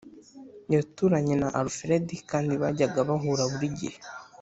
yaturanye na Alfred kandi bajyaga bahura buri gihe